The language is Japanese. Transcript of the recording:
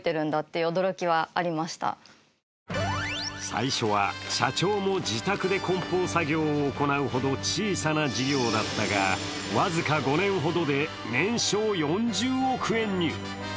最初は社長も自宅で梱包作業を行うほど小さな事業だったが、僅か５年ほどで年商４０億円に。